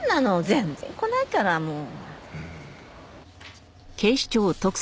全然来ないからもう。